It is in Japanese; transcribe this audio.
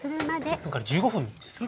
１０分から１５分ですかね。